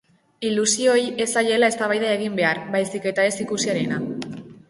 Ilusioei ez zaiela eztabaida egin behar, baizik eta ez ikusiarena.